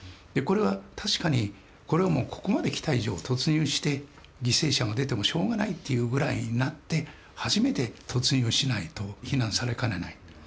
これは確かにこれはここまできた以上突入して犠牲者が出てもしょうがないというぐらいになって初めて突入しないと非難されかねない。